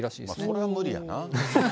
それは無理やな。